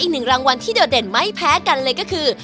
อีกหนึ่งรางวัลที่โดดเด่นไม่แพ้กันเลยก็คือ